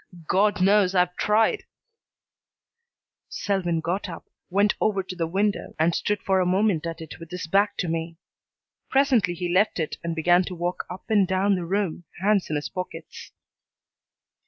God knows I've tried " Selwyn got up, went over to the window and stood for a moment at it with his back to me. Presently he left it and began to walk up and down the room, hands in his pockets.